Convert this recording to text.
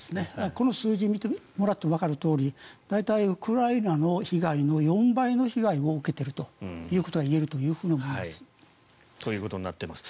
この数字を見てもらってもわかるとおり大体、ウクライナの被害の４倍の被害を受けているということはいえると思います。